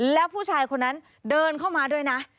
แล้วผู้ชายคนนั้นเดินเข้ามาด้วยนะ